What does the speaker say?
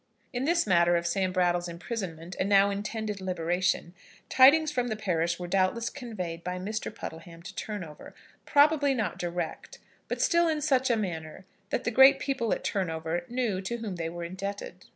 In this matter of Sam Brattle's imprisonment and now intended liberation, tidings from the parish were doubtless conveyed by Mr. Puddleham to Turnover, probably not direct, but still in such a manner that the great people at Turnover knew to whom they were indebted.